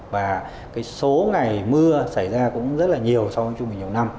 và cái số ngày mưa xảy ra cũng rất là nhiều so với trung bình nhiều năm